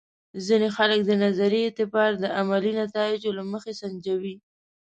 ځینې خلک د نظریې اعتبار د عملي نتایجو له مخې سنجوي.